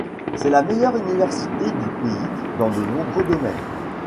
C'est la meilleure université du pays dans de nombreux domaines.